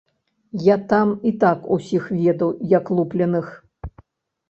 Я там і так усіх ведаў, як лупленых.